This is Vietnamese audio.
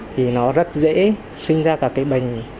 thì nó rất dễ sinh ra cả cái bệnh